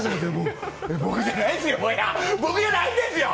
僕じゃないですよ。